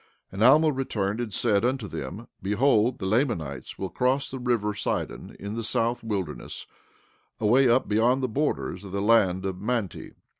And Alma returned and said unto them: Behold, the Lamanites will cross the river Sidon in the south wilderness, away up beyond the borders of the land of Manti.